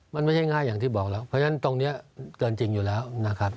มันไม่ใช่ง่ายอย่างที่บอกแล้วเพราะฉะนั้นตรงนี้เกินจริงอยู่แล้วนะครับ